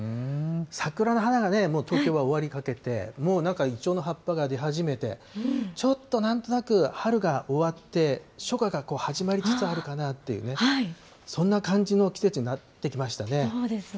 桜の花がね、もう東京は終わりかけて、もうなんか、イチョウの葉っぱが出始めて、ちょっとなんとなく春が終わって、初夏が始まりつつあるかなという、そんな感じの季節になってきましたね。